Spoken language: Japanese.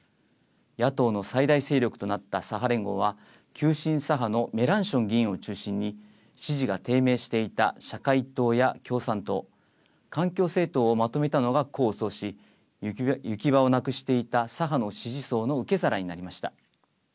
野党の最大勢力となった左派連合は急進左派のメランション議員を中心に支持が低迷していた社会党や共産党環境政党をまとめたのが功を奏し行き場をなくしていた左派の支持層の受け皿になりました。